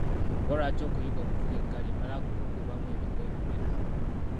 Oba lwaki okuyiga okuvuga eggaali emala kukubamu biggwo ebiwera?